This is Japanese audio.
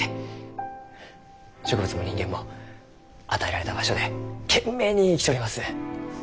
植物も人間も与えられた場所で懸命に生きちょります。